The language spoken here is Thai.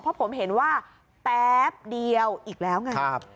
เพราะผมเห็นว่าแป๊บเดียวอีกแล้วไง